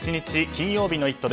金曜日の「イット！」